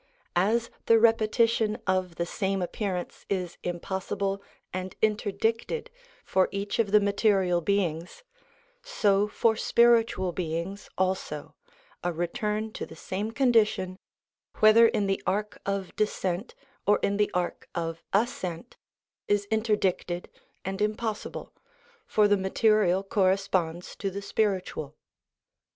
As the repetition of the same appearance is impossible and interdicted for each of the material beings, so for spiritual beings also, a return to the same condition, whether in the arc of descent or in the arc of ascent, is interdicted and impossible, for the material corre sponds to the spiritual.